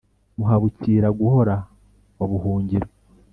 muhabukira-guhora wa buhungiro